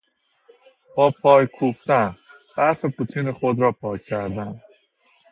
با پای کوفتن، برف پوتین خود را پاک کردن